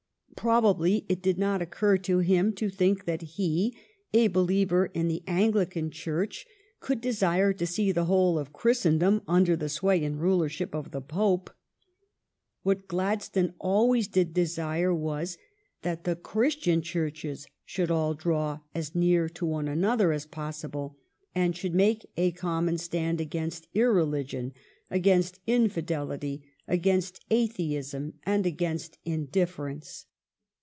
Probably it did not occur to him to think that he, a believer in the Anglican Church, could desire to see the whole of Christendom under the sway and rulership of the Pope. What Glad stone always did desire was, that the Christian Churches should all draw as near to one another as possible, and should make a common stand against irreligion, against infidelity, against atheism, and against indifference.